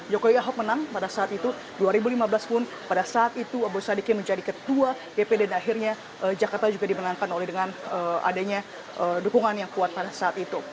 karena dua ribu dua belas jokowi ahok menang pada saat itu dua ribu lima belas pun pada saat itu boy sadiqin menjadi ketua dpd dan akhirnya jakarta juga diperhitungkan oleh adanya dukungan yang kuat pada saat itu